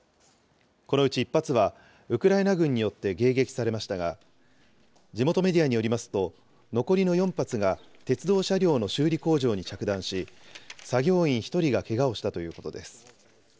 このうち１発は、ウクライナ軍によって迎撃されましたが、地元メディアによりますと、残りの４発が、鉄道車両の修理工場に着弾し、作業員１人がけがをしたということです。